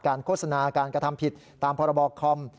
โฆษณาการกระทำผิดตามพรบคอม